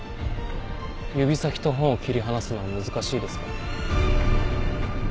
指先と本を切り離すのは難しいですか？